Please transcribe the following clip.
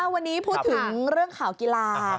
วันนี้พูดถึงเรื่องข่าวกีฬา